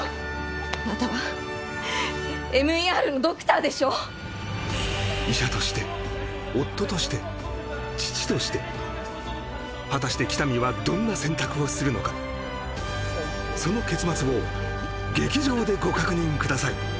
あなたはＭＥＲのドクターでしょ医者として夫として父として果たして喜多見はどんな選択をするのかその結末を劇場でご確認ください